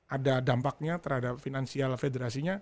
ada dampaknya terhadap finansial federasinya